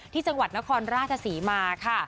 ที่จังหวัดนครราชศรีมาค่ะ